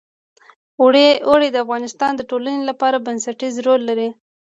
اوړي د افغانستان د ټولنې لپاره بنسټيز رول لري.